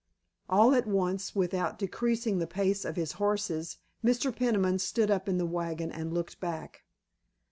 All at once without decreasing the pace of his horses, Mr. Peniman stood up in the wagon and looked back.